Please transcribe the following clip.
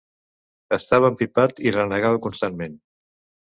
Estava empipat i renegava constantment.